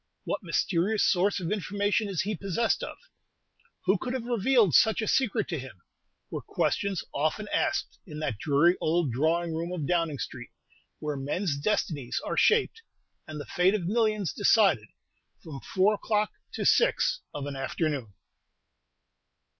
What mysterious source of information is he possessed of? Who could have revealed such a secret to him? were questions often asked in that dreary old drawing room of Downing Street, where men's destinies are shaped, and the fate of millions decided, from four o'clock to six of an afternoon.